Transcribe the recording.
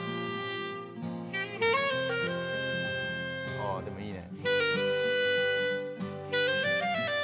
ああでもいいね。